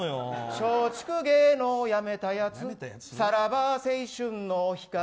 松竹芸能辞めたやつさらば青春の光。